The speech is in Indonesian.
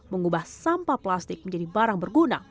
mengubah sampah plastik menjadi barang berguna